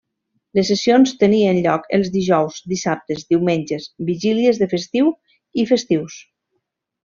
Les sessions tenien lloc els dijous, dissabtes, diumenges, vigílies de festiu i festius.